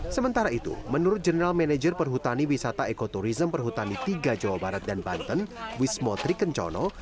sementara itu menurut general manager perhutani wisata ekoturism perhutani tiga jawa barat dan banten wismo trikencono